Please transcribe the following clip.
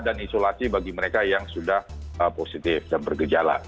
dan isolasi bagi mereka yang sudah positif dan bergejala